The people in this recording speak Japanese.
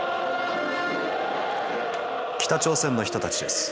北朝鮮の人たちです。